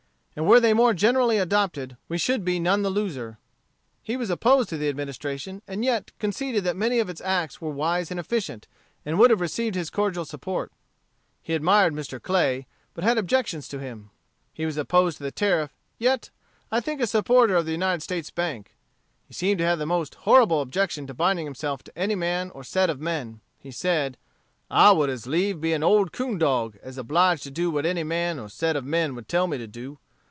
And were they more generally adopted we should be none the loser. He was opposed to the Administration, and yet conceded that many of its acts were wise and efficient, and would have received his cordial support. He admired Mr. Clay, but had objections to him. He was opposed to the Tariff, yet, I think, a supporter of the United States Bank. He seemed to have the most horrible objection to binding himself to any man or set of men. He said, 'I would as lieve be an old coon dog as obliged to do what any man or set of men would tell me to do.